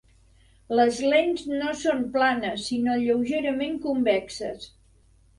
Les lents no són planes sinó lleugerament convexes.